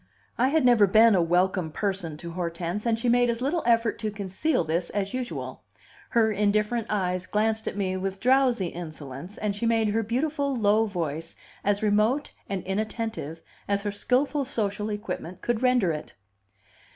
I had never been a welcome person to Hortense, and she made as little effort to conceal this as usual. Her indifferent eyes glanced at me with drowsy insolence, and she made her beautiful, low voice as remote and inattentive as her skilful social equipment could render it.